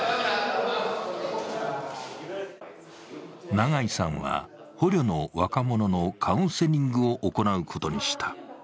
永井さんは捕虜の若者のカウンセリングを行うことにした。